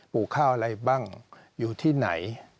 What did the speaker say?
ลูกข้าวอะไรบ้างอยู่ที่ไหน